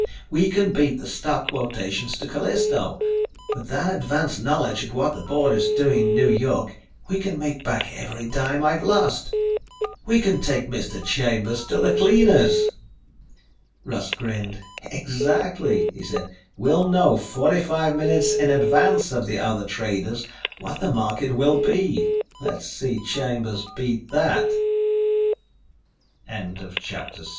We can beat the stock quotations to Callisto. With that advance knowledge of what the board is doing in New York, we can make back every dime I've lost. We can take Mr. Chambers to the cleaners!" Russ grinned. "Exactly," he said. "We'll know 45 minutes in advance of the other traders what the market will be. Let's see Chambers beat that." CHAPTER SEVEN Ben Wrail was taking things easy.